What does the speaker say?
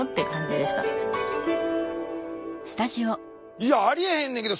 いやありえへんねんけど。